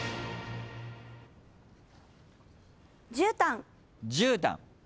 「じゅうたん」